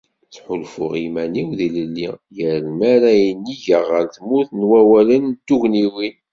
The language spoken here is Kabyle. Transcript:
Ttḥulfuɣ iman-iw d ilelli, yal mi ara inigeɣ ɣer tmurt n wawalen d tugniwin.